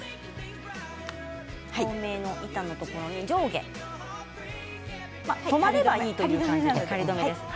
透明な板のところに上下留まればいいという感じの仮留めですね。